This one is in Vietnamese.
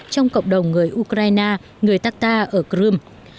trong cộng đồng người ukraine người tatar ở crimea